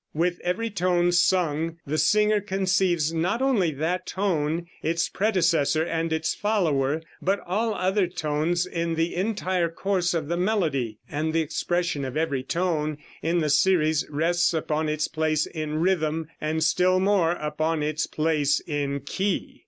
With every tone sung the singer conceives not only that tone, its predecessor and its follower, but all other tones in the entire course of the melody; and the expression of every tone in the series rests upon its place in rhythm, and still more upon its "place in key."